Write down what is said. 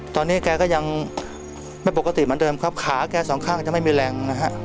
ตอนนี้แกก็ยังไม่ปกติเหมือนเดิมครับขาแกสองข้างจะไม่มีแรงนะฮะ